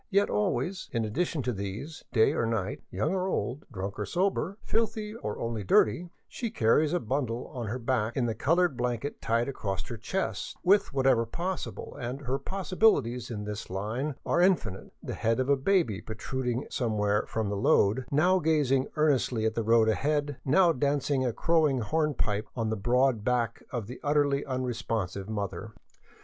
Yet always, in addition to these, night or day, young or old, drunk or sober, filthy or only dirty, she carries a bundle on her back in the colored blanket tied across her chest, with, whenever possible — and her possibilities in this line are infinite — the head of a baby protrud ing somewhere from the load, now gazing earnestly at the road ahead, now dancing a crowing hornpipe on the broad back of the utterly un responsive mother.